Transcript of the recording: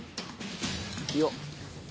よっ。